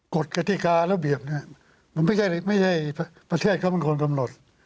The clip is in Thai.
กฎิการะเบียบเนี่ยมันไม่ใช่ประเทศเขาเป็นคนกำหนด